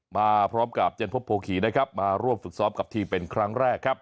มาพร้อมกับเจนพบโพขี่นะครับมาร่วมฝึกซ้อมกับทีมเป็นครั้งแรกครับ